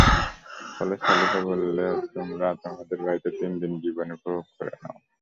ফলে সালিহ বলল, তোমরা তোমাদের বাড়িতে তিনদিন জীবন উপভোগ করে নাও।